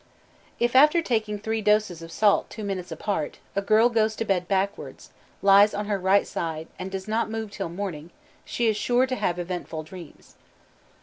_ If, after taking three doses of salt two minutes apart, a girl goes to bed backward, lies on her right side, and does not move till morning, she is sure to have eventful dreams.